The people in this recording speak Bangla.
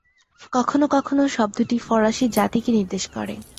কখনো কখনো শব্দটি "ফরাসি জাতি"কে নির্দেশ করে।